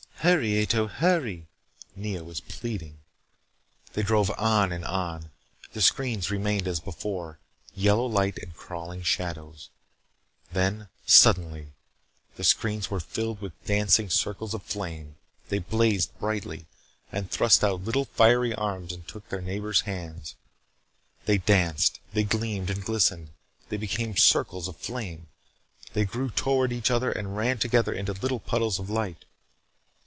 "Hurry, Ato. Hurry," Nea was pleading. They drove on and on. The screens remained as before. Yellow light and crawling shadows. Then, suddenly, the screens were filled with dancing circles of flame. They blazed brightly, and thrust out little fiery arms and took their neighbors' hands. They danced. They gleamed and glistened. They became circles of flame. They grew toward each other and ran together into little puddles of light.